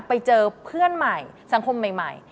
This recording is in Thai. ไปเจอเพื่อนใหม่สังคมใหม่